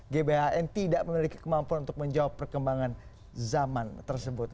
gbhn tidak memiliki kemampuan untuk menjawab perkembangan zaman tersebut